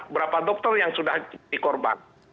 berapa dokter yang sudah dikorban